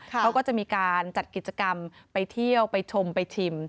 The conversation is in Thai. เขาก็จะมีการจัดกิจกรรมไปเที่ยวไปชมไปชิม